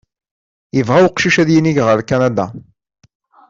Yebɣa uqcic ad yinig ɣer Kanada.